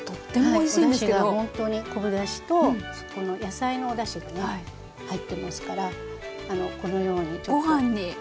はいおだしがほんとに昆布だしとこの野菜のおだしがね入ってますからこのようにちょっとご飯に。